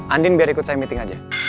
andin biar ikut saya meeting aja